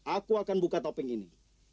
aku akan buka topping ini